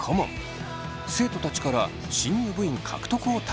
生徒たちから新入部員獲得を託されます。